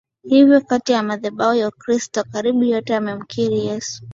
Hivyo kati ya madhehebu ya Ukristo karibu yote yanamkiri Yesu